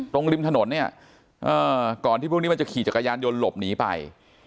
ริมถนนเนี่ยก่อนที่พวกนี้มันจะขี่จักรยานยนต์หลบหนีไป